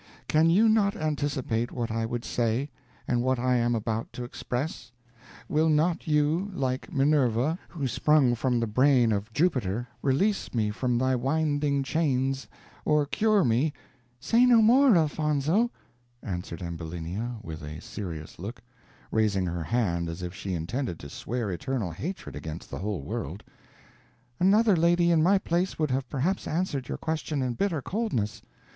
Can you not anticipate what I would say, and what I am about to express? Will not you, like Minerva, who sprung from the brain of Jupiter, release me from thy winding chains or cure me " "Say no more, Elfonzo," answered Ambulinia, with a serious look, raising her hand as if she intended to swear eternal hatred against the whole world; "another lady in my place would have perhaps answered your question in bitter coldness.